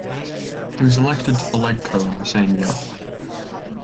He was elected to the Legco in the same year.